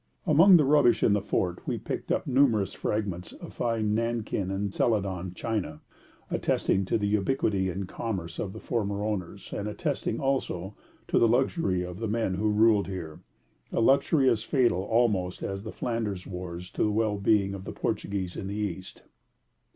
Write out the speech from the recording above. Amongst the rubbish in the fort we picked up numerous fragments of fine Nankin and Celadon china, attesting to the ubiquity and commerce of the former owners, and attesting, also, to the luxury of the men who ruled here a luxury as fatal almost as the Flanders wars to the well being of the Portuguese in the East.